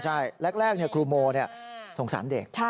ใช่แรกเนี่ยครูโมสงสัญเด็ก